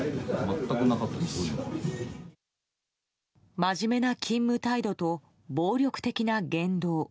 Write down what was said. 真面目な勤務態度と暴力的な言動。